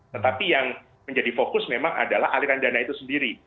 tetapi yang menjadi fokus memang adalah aliran dana itu sendiri